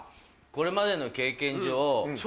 これまでの経験上。